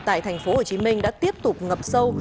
tại tp hcm đã tiếp tục ngập sâu